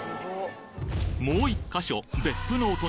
もう１か所別府のお隣